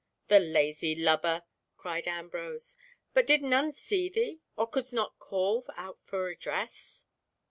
"The lazy lubber!" cried Ambrose. "But did none see thee, or couldst not call out for redress?"